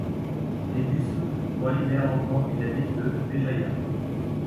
Des bus relient l'aéroport et la ville de Béjaia.